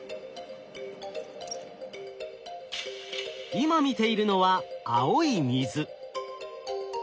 今見ているのは青い水。